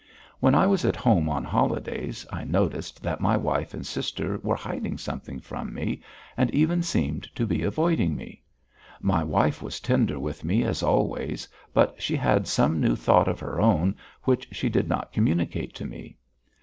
When I was at home on holidays I noticed that my wife and sister were hiding something from me and even seemed to be avoiding me. My wife was tender with me as always, but she had some new thought of her own which she did not communicate to me.